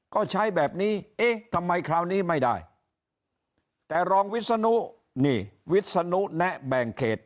ก็ใช้แบบนี้เอ๊ะทำไมคราวนี้ไม่ได้แต่รองวิศนุนี่วิศนุแนะแบ่งเขต